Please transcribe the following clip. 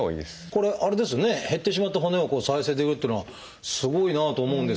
これあれですよね減ってしまった骨を再生できるっていうのはすごいなと思うんですけれども。